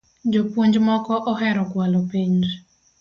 Jopuonj moko ohero kualo penj